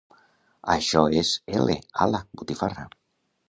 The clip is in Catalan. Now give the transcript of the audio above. Això és ele, ala, botifarra.